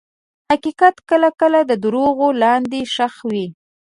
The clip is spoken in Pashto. حقیقت کله کله د دروغو لاندې ښخ وي.